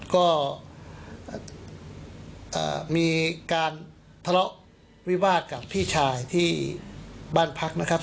ก็มีการทะเลาะวิวาสกับพี่ชายที่บ้านพักนะครับ